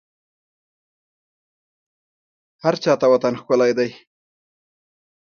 هرچا ته وطن ښکلی دی